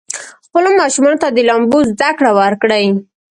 خپلو ماشومانو ته د لامبو زده کړه ورکړئ.